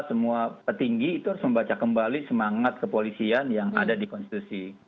semua petinggi itu harus membaca kembali semangat kepolisian yang ada di konstitusi